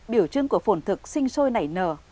biểu trưng của phổn thực sinh sôi nảy nở